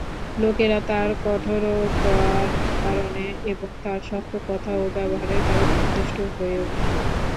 লোকেরাও তার কঠোরতার কারণে এবং তার শক্ত কথা ও ব্যবহারের কারণে অতিষ্ঠ হয়ে উঠল।